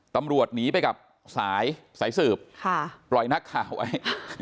ตำรวจหนีไปกับสายสายสืบปล่อยนักข่าวไว้